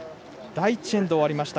第１エンド終わりました。